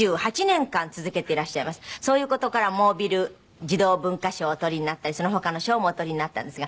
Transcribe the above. そういう事からモービル児童文化賞をお取りになったりその他の賞もお取りになったんですが。